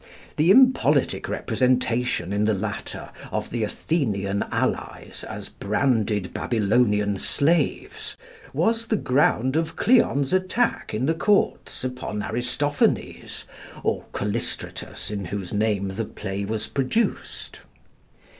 The impolitic representation in the latter of the Athenian allies as branded Babylonian slaves was the ground of Cleon's attack in the courts upon Aristophanes, or Callistratus in whose name the play was produced.